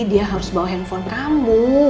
dia harus bawa handphone kamu